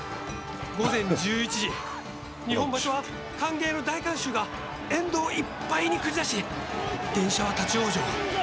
午前１１時日本橋は歓迎の大観衆が沿道いっぱいに繰り出し電車は立ち往生」。